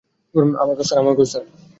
আমাকেও, স্যার!